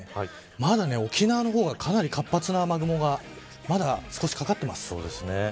まだ沖縄の方がかなり活発な雨雲が少し、かかってます。